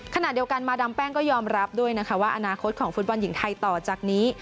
ขณะเดียวกันมาดามแป้งก็ยอมรับด้วยนะคะว่าอนาคตของฟุตบอลหญิงไทยต่อจากนี้